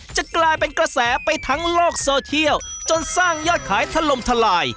จะกลายเป็นกระแสไปทั้งโลกโซเทียลจนสร้างยอดขายถล่มทลาย